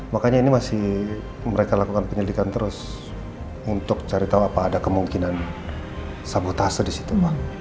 makanya ini masih mereka lakukan penyelidikan terus untuk cari tahu apa ada kemungkinan sabotase di situ